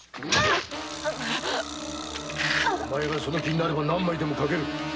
お前がその気になれば何枚でも書ける。